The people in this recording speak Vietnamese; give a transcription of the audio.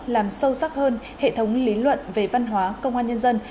làm sâu sắc hơn hệ thống lý luận về văn hóa công an nhân dân